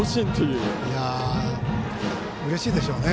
うれしいでしょうね。